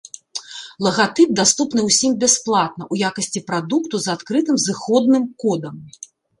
Лагатып даступны ўсім бясплатна ў якасці прадукту з адкрытым зыходным кодам.